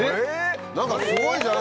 何かすごいじゃん！